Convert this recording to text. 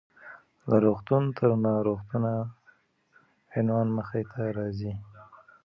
له روغتون تر ناروغتونه: عنوان مخې ته راځي .